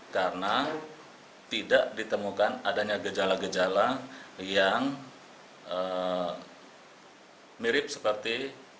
karena tidak ditemukan adanya gejala gejala yang mirip seperti